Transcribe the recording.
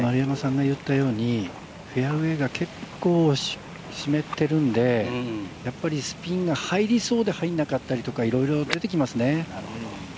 フェアウエーが結構湿っているんで、やっぱりスピンが入りそうで入らなかったりとかいろいろ出てきますね。